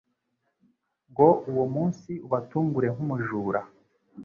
ngo uwo munsi ubatungure nk'umujura.